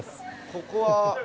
ここは。